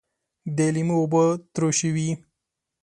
د لیمو اوبه ترشی وي